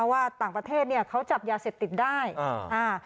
ว่าต่างประเทศเนี่ยเขาจับยาเสพติดได้อ่าอ่า